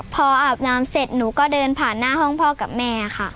พออาบน้ำเสร็จหนูก็เดินผ่านหน้าห้องพ่อกับแม่ค่ะ